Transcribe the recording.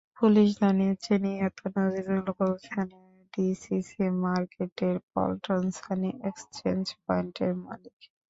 Police জানিয়েছে, নিহত নজরুল গুলশানের ডিসিসি মার্কেটের পল্টন মানি এক্সচেঞ্জ পয়েন্টের মালিক।